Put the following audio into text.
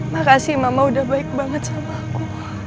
makasih mama udah baik banget sama aku